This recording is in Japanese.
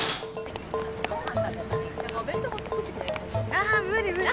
ああ無理無理。